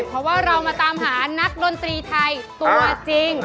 เพราะว่าเรามาตามหานักดนตรีไทยตัวจริง